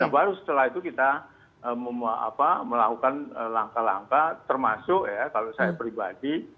baru setelah itu kita melakukan langkah langkah termasuk ya kalau saya pribadi